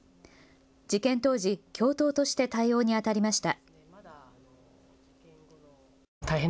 事件当時、教頭として対応にあたりました。